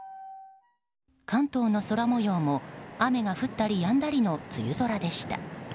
関東の空模様も雨が降ったりやんだりの梅雨空でした。